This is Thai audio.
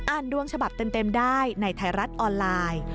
ดวงฉบับเต็มได้ในไทยรัฐออนไลน์